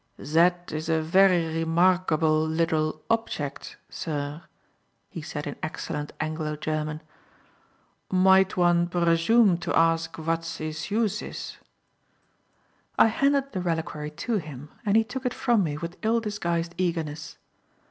"Zat is a very remargable liddle opchect, sir," he said in excellent Anglo German. "Might one bresume to ask vat it's use is?" I handed the reliquary to him and he took it from me with ill disguised eagerness.